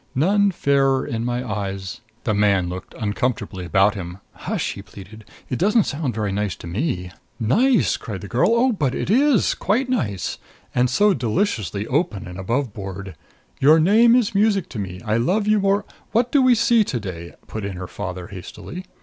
None "fairer in my eyes." The man looked uncomfortably about him. "Hush!" he pleaded. "It doesn't sound very nice to me." "Nice!" cried the girl. "Oh, but it is quite nice. And so deliciously open and aboveboard. 'Your name is music to me. I love you more '" "What do we see to day?" put in her father hastily.